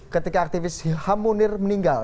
ketika aktivis hilham mundir meninggal